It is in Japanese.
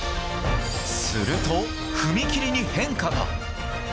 すると、踏み切りに変化が。